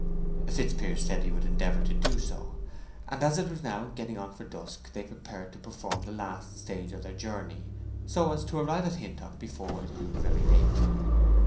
Fitzpiers said that he would endeavor to do so; and as it was now getting on for dusk, they prepared to perform the last stage of their journey, so as to arrive at Hintock before it grew very late.